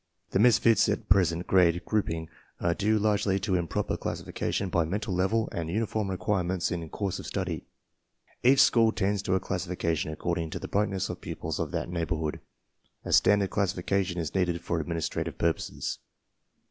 The misfits in present grade grouping are due largely to improper classification by mental level and uniform requirements in course of study. Bifch school tends to a classification^ the brightness of pupils of that neighborhood. A standard classification is needed for administrative purposes.